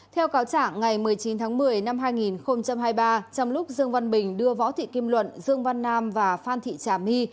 theo cáo trả ngày một mươi chín tháng một mươi năm hai nghìn hai mươi ba trong lúc dương văn bình đưa võ thị kim luận dương văn nam và phan thị trà my